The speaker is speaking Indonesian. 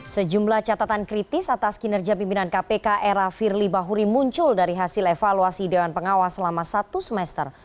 sejumlah catatan kritis atas kinerja pimpinan kpk era firly bahuri muncul dari hasil evaluasi dewan pengawas selama satu semester